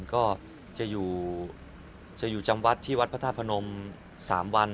ก็จะอยู่จำวัดที่วัดพระธาตุพนม๓วัน